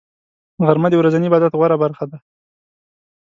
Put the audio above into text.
غرمه د ورځني عبادت غوره برخه ده